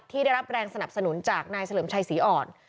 ได้รับแรงสนับสนุนจากนายเฉลิมชัยศรีอ่อน